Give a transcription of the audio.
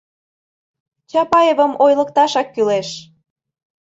Чапаевым ойлыкташак кӱлеш.